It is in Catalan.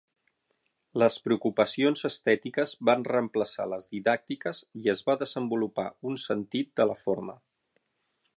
Les preocupacions estètiques van reemplaçar les didàctiques i es va desenvolupar un sentit de la forma.